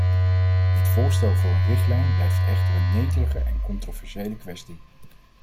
Dit voorstel voor een richtlijn blijft echter een netelige en controversiële kwestie.